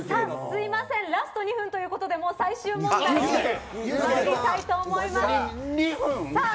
すみませんラスト２分ということで最終問題に参りたいと思います。